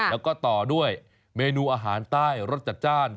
แล้วก็ต่อด้วยเมนูอาหารใต้รสจัดจ้าน